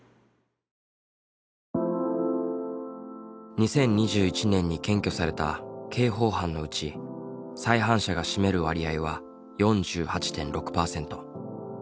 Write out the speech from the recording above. ２０２１年に検挙された刑法犯のうち再犯者が占める割合は４８．６パーセント。